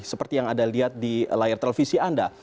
seperti yang anda lihat di layar televisi anda